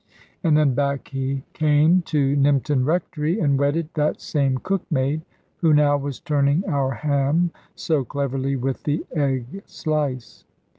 And then back he came to Nympton Rectory, and wedded that same cook maid, who now was turning our ham so cleverly with the egg slice.